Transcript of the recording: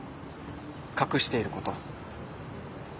隠していること。